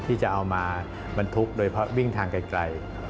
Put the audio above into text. ที่จะเอามาบรรทุกโดยเพราะวิ่งทางไกล